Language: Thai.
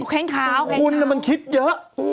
แข่งขาวคุณน่ะมันคิดเยอะ